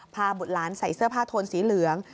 บุตรหลานใส่เสื้อผ้าโทนสีเหลือง